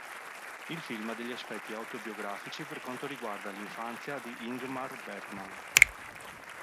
Il film ha degli aspetti autobiografici per quanto riguarda l'infanzia di Ingmar Bergman.